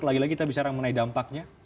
lagi lagi kita bisa menarik dampaknya